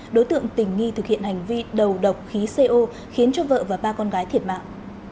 đối tượng tình nghi thực hiện hành vi đầu độc khí co khiến cho vợ và ba con gái thiệt mạng